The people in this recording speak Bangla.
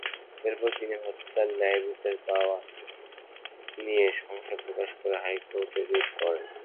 এরপর তিনি হত্যার ন্যায়বিচার পাওয়া নিয়ে সংশয় প্রকাশ করে হাইকোর্টে রিট করেন।